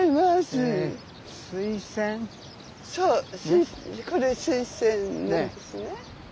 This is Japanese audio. これスイセンなんですね。